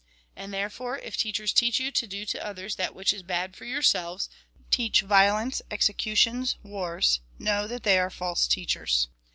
And therefore, if teachers teach you to do to others that which is bad for yourselves, — teach violence, exe cutions, wars, — know that they are false teachers.